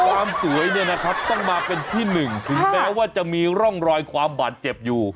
ความสวยเนี่ยนะครับต้องมาเป็นที่หนึ่งถึงแม้ว่าจะมีร่องรอยความบาดเจ็บอยู่